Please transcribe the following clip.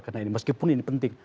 karena ini meskipun ini penting